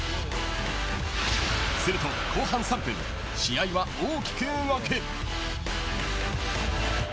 すると、後半３分試合は大きく動く。